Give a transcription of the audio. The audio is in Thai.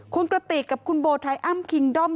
คุณกระติกกับคุณโบไทยอ้ำคิงด้อม